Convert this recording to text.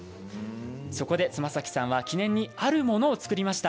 そこで妻崎さんは記念にあるものを作りました。